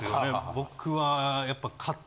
僕はやっぱ。